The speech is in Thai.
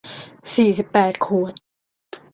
สี่สิบแปดขวด